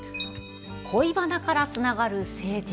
「恋バナからつながる政治」。